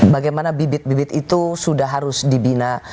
bagaimana bibit bibit itu sudah harus dibina